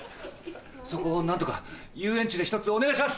そこを何とか遊園地で１つお願いします。